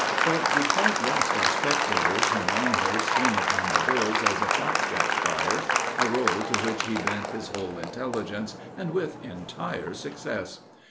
But we quite lost our spectators when Longhurst came upon the boards as a flapjack frier, a rôle to which he bent his whole intelligence, and with entire success.